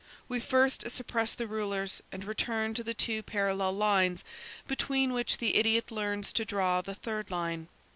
We first suppress the rulers and return to the two parallel lines, between which the idiot learns to draw the third line.